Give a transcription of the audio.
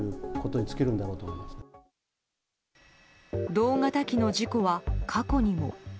同型機の事故は、過去にも。